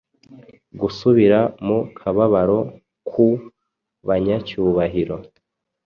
Gusubira mu kababaro ku banyacyubahiro